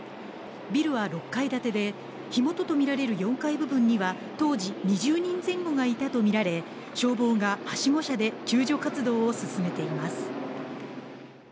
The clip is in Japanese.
ビルは６階建てで火元とみられる４階部分には当時２０人前後がいたと見られ消防がはしご車で救助活動を進めています